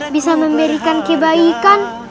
bisa memberikan kebaikan